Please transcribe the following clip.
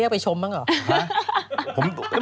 อืมอืมอืมอืมอืมอืม